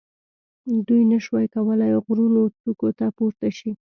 دوی نه شوای کولای غرونو څوکو ته پورته شي.